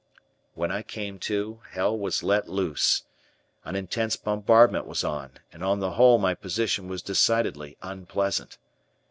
When I came to, hell was let loose. An intense bombardment was on, and on the whole my position was decidedly unpleasant.